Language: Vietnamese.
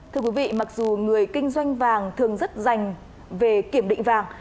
thưa quý vị mặc dù người kinh doanh vàng thường rất dành về kiểm định vàng